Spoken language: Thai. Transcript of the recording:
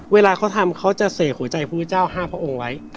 เวลาเขาทำเขาจะเสกหัวใจพระพุทธเจ้า๕พระองค์ไว้